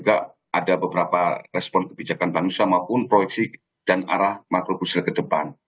dan ini serta juga ada beberapa respon kebijakan manusia maupun proyeksi dan arah makrokosil ke depan